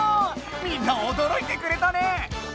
みんなおどろいてくれたね！